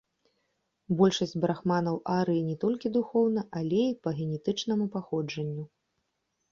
Большасць брахманаў арыі не толькі духоўна, але і па генетычнаму паходжанню.